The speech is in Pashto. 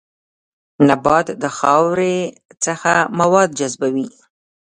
نبات د خاورې څخه مواد جذبوي